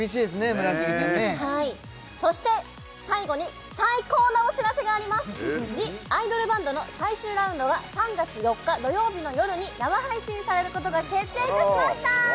村重ちゃんねはいそして最後に最高なお知らせがあります「ＴＨＥＩＤＯＬＢＡＮＤ」の最終ラウンドが３月４日土曜日の夜に生配信されることが決定いたしました！